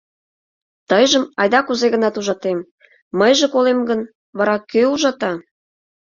Тыйжым айда кузе-гынат ужатем, мыйже колем гын, вара кӧ ужата?